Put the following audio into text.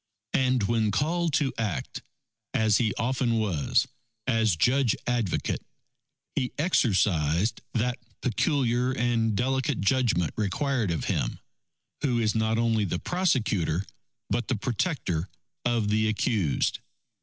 And when called to act, as he often was, as Judge Advocate, he exercised that peculiar and delicate judgment required of him, who is not only the prosecutor but the protector of the accused.